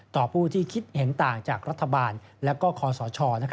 ผู้ที่คิดเห็นต่างจากรัฐบาลและก็คอสช